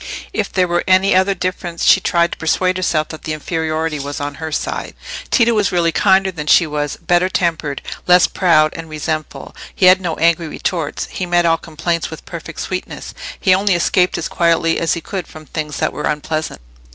If there were any other difference she tried to persuade herself that the inferiority was on her side. Tito was really kinder than she was, better tempered, less proud and resentful; he had no angry retorts, he met all complaints with perfect sweetness; he only escaped as quietly as he could from things that were unpleasant.